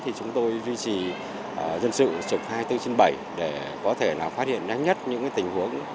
thì chúng tôi duy trì dân sự trực hai mươi bốn trên bảy để có thể phát hiện nhanh nhất những tình huống